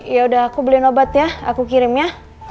yaudah aku beliin obat ya aku kirim ya